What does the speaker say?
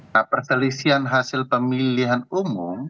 nah perselisihan hasil pemilihan umum